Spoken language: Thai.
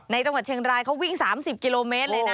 จังหวัดเชียงรายเขาวิ่ง๓๐กิโลเมตรเลยนะ